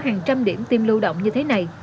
hàng trăm điểm tiêm lưu động như thế này